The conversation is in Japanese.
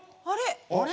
あれ？